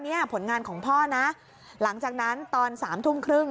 ผลงานของพ่อนะหลังจากนั้นตอนสามทุ่มครึ่ง